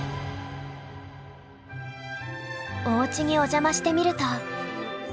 おうちにお邪魔してみると。